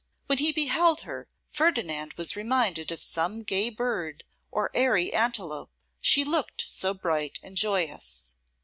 When he beheld her, Ferdinand was reminded of some gay bird, or airy antelope; she looked so bright and joyous!